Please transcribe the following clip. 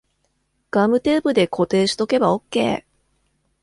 ガムテープで固定しとけばオッケー